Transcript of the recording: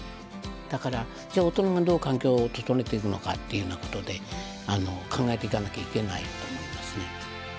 だからじゃあ大人がどう環境を整えていくのかっていうようなことで考えていかなきゃいけないと思いますね。